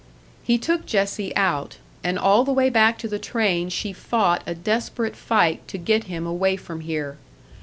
He took Jessie out, and all the way hack to the train she fought a desperate fight to get him away from here.